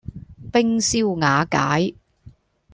冰消瓦解